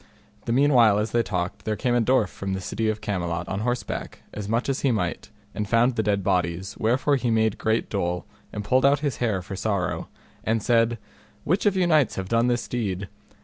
The meanwhile as they talked, there came a dwarf from the city of Camelot on horseback, as much as he might; and found the dead bodies, wherefore he made great dole, and pulled out his hair for sorrow, and said, Which of you knights have done this deed?